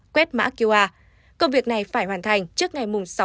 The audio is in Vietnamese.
kết mã qr công việc này phải hoàn thành trước ngày sáu một mươi một hai nghìn hai mươi một